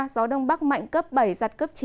gió đông bắc mạnh cấp bảy giật cấp chín